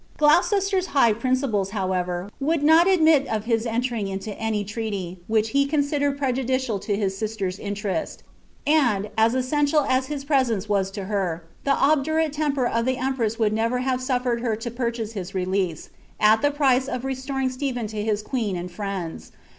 Gloucester's high principles, however, vontd not admit af his entering into any treaty which he eonBidered prejndicial to hie as ter's interest ; and, esHeniial as his presence was to her, the obdniais temper of the empress woold never have auttered bar to purchase Iw release, at the price of restoring Stephen to his queen arid fneods.